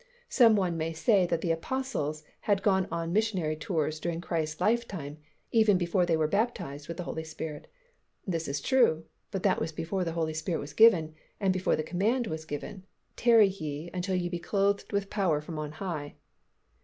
Some one may say that the Apostles had gone on missionary tours during Christ's lifetime, even before they were baptized with the Holy Spirit. This is true, but that was before the Holy Spirit was given, and before the command was given, "Tarry ye until ye be clothed with power from on high."